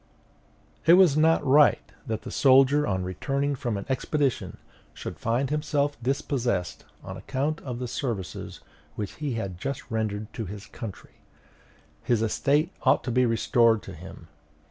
It was not right that the soldier, on returning from an expedition, should find himself dispossessed on account of the services which he had just rendered to his country; his estate ought to be restored to him.